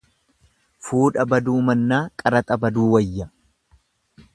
Fuudha baduu mannaa, qaraxa baduu wayya.